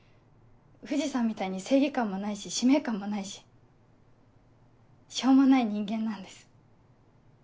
藤さんみたいに正義感もないし使命感もないししょうもない人間なんです。